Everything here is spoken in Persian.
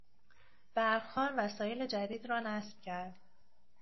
برقکار وسایل جدید را نصب کرد.